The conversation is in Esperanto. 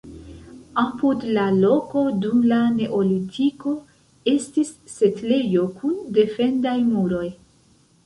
Apud la loko dum la neolitiko estis setlejo kun defendaj muroj.